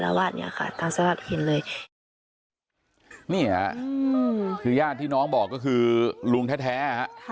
แล้วว่าเนี่ยค่ะทางสรรค์เห็นเลยเนี่ยคือญาติที่น้องบอกก็คือลุงแท้แท้ค่ะ